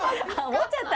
持っちゃった！